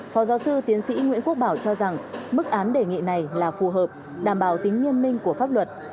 phó giáo sư tiến sĩ nguyễn quốc bảo cho rằng mức án đề nghị này là phù hợp đảm bảo tính nghiêm minh của pháp luật